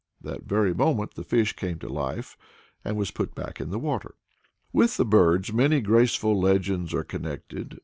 That very moment the fish came to life, and was put back in the water." With the birds many graceful legends are connected.